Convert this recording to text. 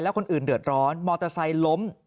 คนอื่นเดือดร้อนมอเตอร์ไซค์ล้ม